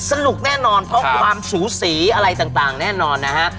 สนุกแน่นอนเพราะความสูสีอะไรต่างแน่นอนนะฮะ